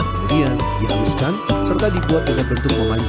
kemudian dihaluskan serta dibuat dengan bentuk memancing